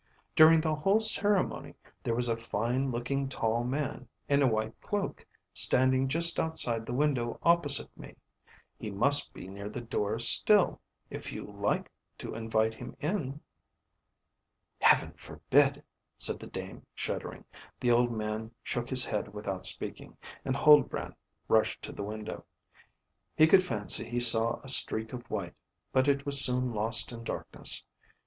During the whole ceremony there was a fine looking tall man, in a white cloak, standing just outside the window opposite me. He must be near the door still, if you like to invite him in." "Heaven forbid!" said the dame shuddering; the old man shook his head without speaking; and Huldbrand rushed to the window. He could fancy he saw a streak of white, but it was soon lost in darkness.